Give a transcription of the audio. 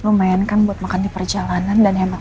lumayan kan buat makan di perjalanan dan hemat